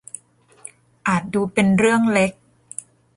อาจดูเป็นเรื่องเล็ก